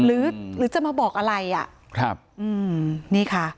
หรือจะมาบอกอะไรอ่ะครับอืมนี่ค่ะ